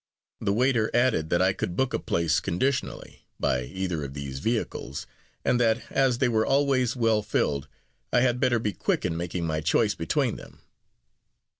The waiter added, that I could book a place conditionally by either of these vehicles; and that, as they were always well filled, I had better be quick in making my choice between them.